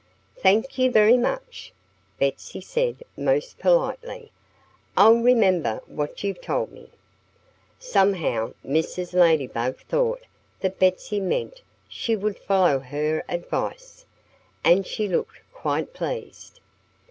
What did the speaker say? "Thank you very much!" Betsy said most politely. "I'll remember what you've told me." Somehow Mrs. Ladybug thought that Betsy meant she would follow her advice. And she looked quite pleased.